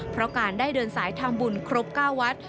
เพราะการได้เดินสายทำบุญครบ๙วัด